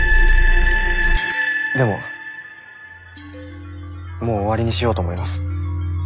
でももう終わりにしようと思います。